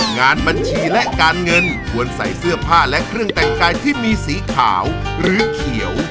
งานบัญชีและการเงินควรใส่เสื้อผ้าและเครื่องแต่งกายที่มีสีขาวหรือเขียว